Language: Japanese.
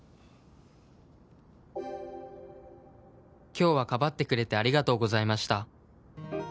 「今日はかばってくれてありがとうございました」